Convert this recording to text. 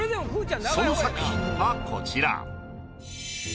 その作品がこちら。